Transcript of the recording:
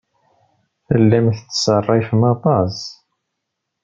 Tellam tettṣerrifem aṭas.